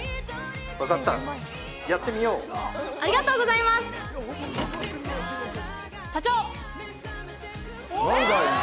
分かったやってみようありがとうございます社長！